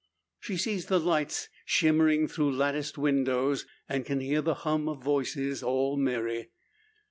She sees the lights shimmering through the latticed windows, and can hear the hum of voices, all merry.